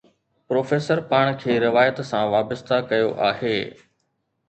Professor پاڻ کي روايت سان وابسته ڪيو آهي.